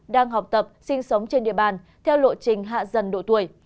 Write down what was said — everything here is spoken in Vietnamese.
đang học tập sinh sống trên địa bàn theo lộ trình hạ dần độ tuổi